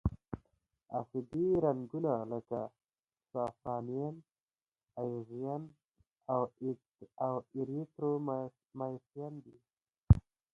اسیدي رنګونه لکه سافرانین، ائوزین او ایریترومایسین دي.